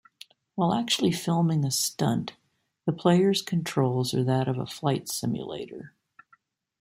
While actually filming a stunt, the player's controls are that of a flight simulator.